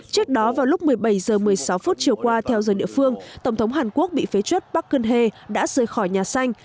trước đó vào lúc một mươi bảy h một mươi sáu chiều qua theo giờ địa phương tổng thống hàn quốc bị phế chuất park geun hye đã rời khỏi nhà sanh